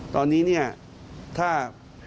ตอนนี้ถ้า